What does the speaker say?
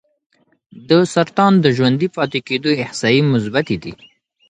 د سرطان د ژوندي پاتې کېدو احصایې مثبتې دي.